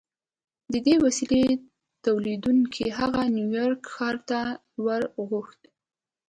د دې وسیلې تولیدوونکي هغه نیویارک ښار ته ور وغوښت